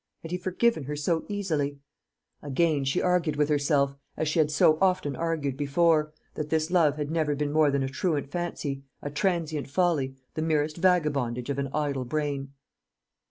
Had he forgiven her so easily? Again she argued with herself, as she had so often argued before, that his love had never been more than a truant fancy, a transient folly, the merest vagabondage of an idle brain.